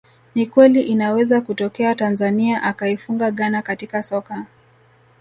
Ni kweli inaweza kutokea Tanzania ikaifunga Ghana katika soka